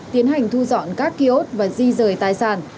tiến hành thu dọn các kiosk và di rời tài sản